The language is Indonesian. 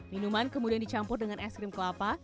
minuman kemudian dicampur dengan es krim kelapa